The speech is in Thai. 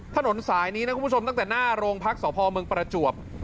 ถนนสายนี้นะคุณผู้ชมตั้งแต่หน้าโรงพักษพเมืองประจวบ